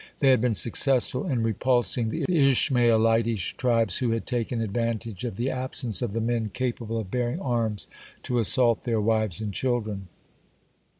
They had been successful in repulsing the Ishmaelitish tribes who had taken advantage of the absence of the men capable of bearing arms to assault their wives and children.